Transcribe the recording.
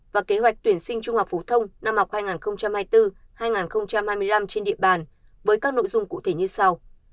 và kế hoạch tuyển sinh trung học phổ thông năm học hai nghìn hai mươi bốn hai nghìn hai mươi năm trên địa bàn với các nội dung cụ thể như sau